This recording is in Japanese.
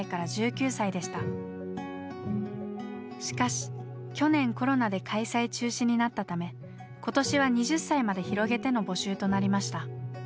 しかし去年コロナで開催中止になったため今年は２０歳まで広げての募集となりました。